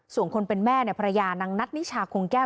ส่วนคนเป็นแม่ภรรยานางนัทนิชาคงแก้ว